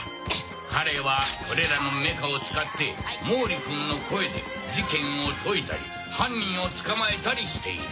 彼はこれらのメカを使って毛利君の声で事件を解いたり犯人を捕まえたりしている。